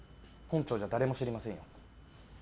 本庁じゃ誰も知りませんよ。